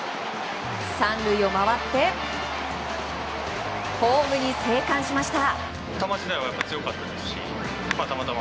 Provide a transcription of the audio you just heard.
３塁を回ってホームに生還しました！